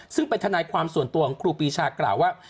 ซึ่งเป็นทนายความส่วนตัวของครูปีชากล่าวว่า